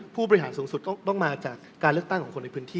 ๑ผู้ประหลายสูงสุดต้องมาจากการเลือกตั้งในพันธุ์